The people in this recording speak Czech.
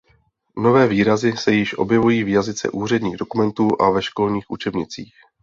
Nové výrazy se již objevují v jazyce úředních dokumentů a ve školních učebnicích.